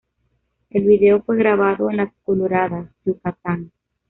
El video fue grabado en Las Coloradas, Yucatán.